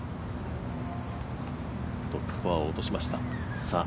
一つ、スコアを落としました。